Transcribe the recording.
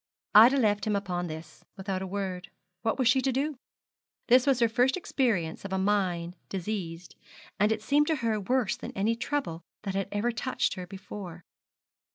Ida left him upon this, without a word. What was she to do? This was her first experience of a mind diseased, and it seemed to her worse than any trouble that had ever touched her before.